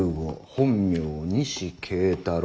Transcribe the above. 本名西桂太郎」。